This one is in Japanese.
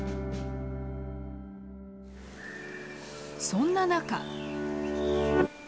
そんな中。